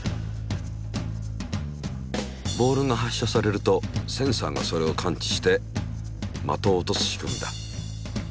ボールが発射されるとセンサーがそれを感知して的を落とす仕組みだ。